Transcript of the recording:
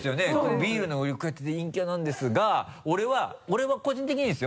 「ビールの売り子やってて陰キャなんです」が俺は個人的にですよ